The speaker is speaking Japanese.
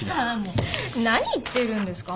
もう何言ってるんですか？